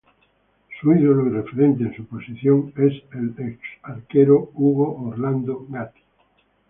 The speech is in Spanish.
Su ídolo y referente en su posición es el ex arquero Hugo Orlando Gatti.